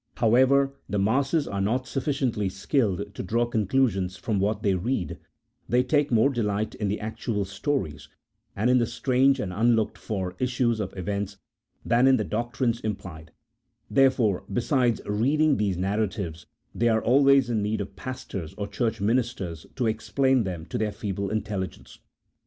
However, the masses are not sufficiently skilled to draw conclusions from what they read, they take more delight in the actual stories, and in the strange and unlooked for issues of events than in the doctrines implied ; therefore, besides reading these nar ratives, they are always in need of pastors or church ministers to explain them to their feeble intelligence.